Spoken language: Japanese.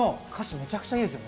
めちゃくちゃいいですよね。